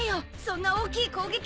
そんな大きい攻撃。